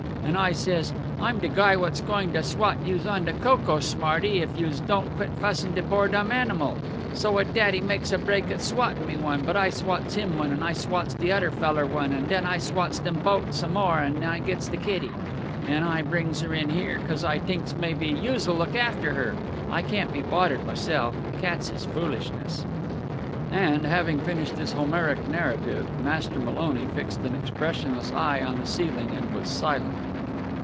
An' I says, 'I'm de guy what's goin' to swat youse on de coco, smarty, if youse don't quit fussin' de poor dumb animal.' So wit' dat he makes a break at swattin' me one, but I swats him one, an' I swats de odder feller one, an' den I swats dem bote some more, an' I gits de kitty, an' I brings her in here, cos I t'inks maybe youse'll look after her. I can't be boddered myself. Cats is foolishness." And, having finished this Homeric narrative, Master Maloney fixed an expressionless eye on the ceiling, and was silent.